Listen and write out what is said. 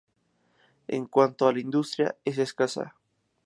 En cuanto a la industria, es escasa.